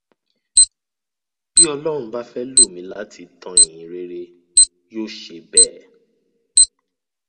Bí Ọlọrun bá fẹ́ lò mí láti tan ìhìnrere, yóò ṣe bẹ́ẹ̀.